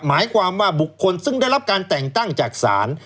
หมายความว่าบุคคลซึ่งได้รับการแต่งตั้งจากศาล